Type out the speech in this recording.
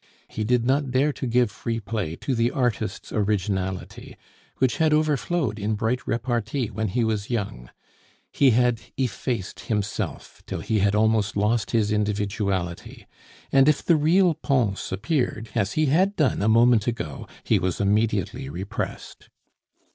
He did not dare to give free play to the artist's originality, which had overflowed in bright repartee when he was young; he had effaced himself, till he had almost lost his individuality; and if the real Pons appeared, as he had done a moment ago, he was immediately repressed.